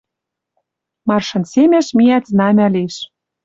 Маршын семеш миӓт знамя лиш.